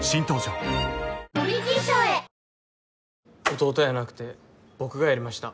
弟やなくて僕がやりました